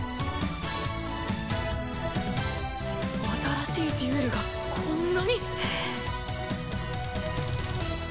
新しいデュエルがこんなに。